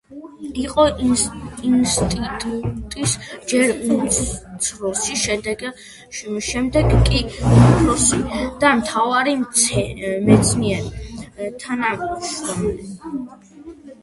იყო ინსტიტუტის ჯერ უმცროსი, შემდეგ კი უფროსი და მთავარი მეცნიერ თანამშრომელი.